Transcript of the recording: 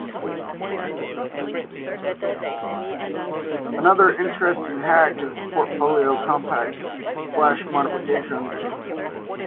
Another interesting hack is the Portfolio Compact Flash modification.